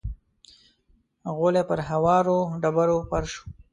غولی پر هوارو ډبرو فرش و.